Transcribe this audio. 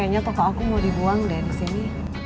karena tokoh aku mau dibuang deh disini